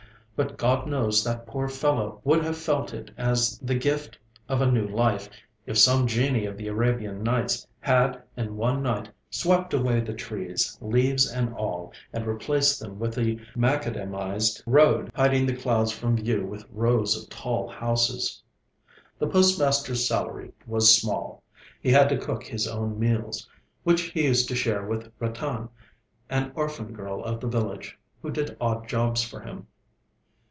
But God knows that the poor fellow would have felt it as the gift of a new life, if some genie of the Arabian Nights had in one night swept away the trees, leaves and all, and replaced them with a macadamised road, hiding the clouds from view with rows of tall houses. The postmaster's salary was small. He had to cook his own meals, which he used to share with Ratan, an orphan girl of the village, who did odd jobs for him.